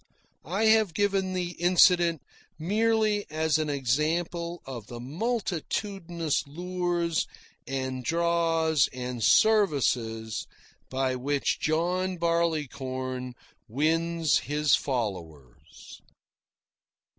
I have given the incident merely as an example of the multitudinous lures and draws and services by which John Barleycorn wins his followers.